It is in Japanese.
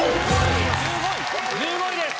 １５位です。